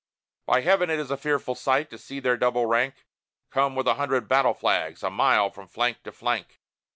By Heaven! it is a fearful sight to see their double rank Come with a hundred battle flags, a mile from flank to flank!